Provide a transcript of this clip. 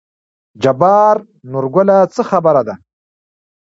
جبار: نورګله څه خبره ده.